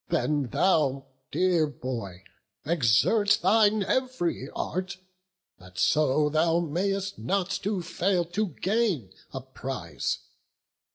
Then thou, dear boy, exert thine ev'ry art, That so thou mayst not fail to gain a prize.